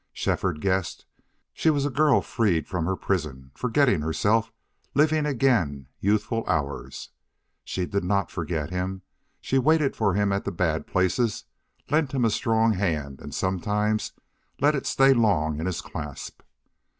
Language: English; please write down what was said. Shefford guessed she was a girl freed from her prison, forgetting herself, living again youthful hours. Still she did not forget him. She waited for him at the bad places, lent him a strong hand, and sometimes let it stay long in his clasp.